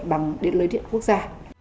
bằng điện lưới điện quốc gia